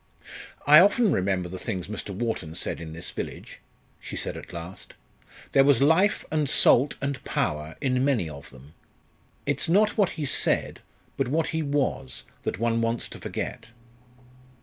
"I often remember the things Mr. Wharton said in this village," she said at last. "There was life and salt and power in many of them. It's not what he said, but what he was, that one wants to forget."